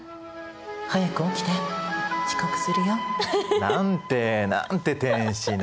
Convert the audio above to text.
「早く起きて！遅刻するよ」。なんてなんて天使な。